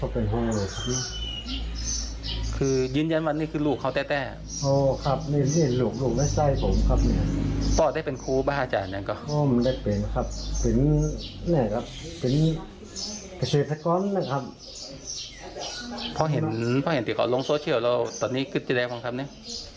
พ่อเห็นติดการลงโซเชียลแล้วตอนนี้ก็จะได้ฟังครับเนี่ย